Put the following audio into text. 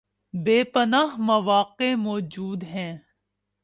بے پناہ مواقع موجود ہیں